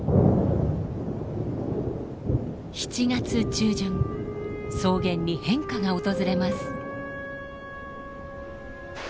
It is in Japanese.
７月中旬草原に変化が訪れます。